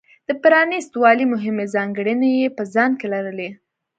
د پرانېست والي مهمې ځانګړنې یې په ځان کې لرلې.